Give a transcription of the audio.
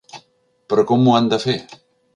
Però com ho han de fer?